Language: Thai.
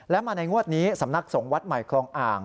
และมาในงวดนี้สำนักสงฆ์วัดใหม่คลองอ่าง